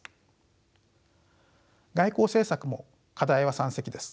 外交政策も課題は山積です。